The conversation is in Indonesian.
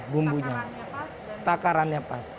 bumbunya ya takarannya pas